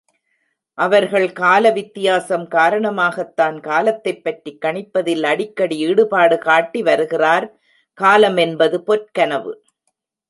அவர்கள் காலவித்தியாசம் காரணமாகத்தான், காலத்தைப்பற்றிக் கணிப்பதில் அடிக்கடி ஈடுபாடு காட்டி வருகிறார் காலம் என்பது பொற்கனவு.